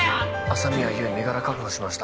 朝宮優身柄確保しました